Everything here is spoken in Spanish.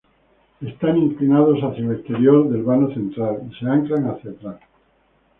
Están inclinados hacia el exterior del vano central, y se anclan hacia atrás.